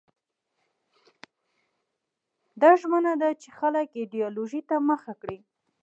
دا ژمنه ده چې خلک ایدیالوژۍ ته مخه کړي.